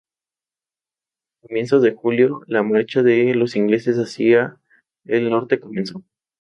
A comienzos de julio la marcha de los ingleses hacia el norte comenzó.